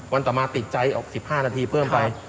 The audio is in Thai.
ต่อมาติดใจออก๑๕นาทีเพิ่มไป